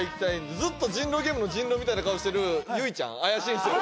ずっと人狼ゲームの人狼みたいな顔してる結実ちゃん怪しいんですよ